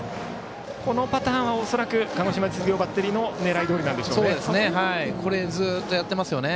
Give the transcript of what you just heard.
このパターンは恐らく鹿児島実業バッテリーの狙いどおりなんでしょうね。